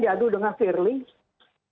dan diadu dengan fairlink